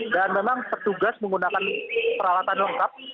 dan memang bertugas menggunakan peralatan lengkap